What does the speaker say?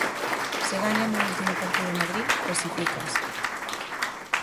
Se gañan no último partido en Madrid, clasifícanse.